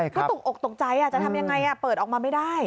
ก็ตกอกตกใจจะทำยังไงเปิดออกมาไม่ได้